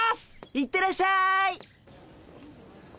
行ってらっしゃい。